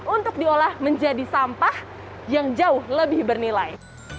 untuk diolah menjadi sampah yang jauh lebih bernilai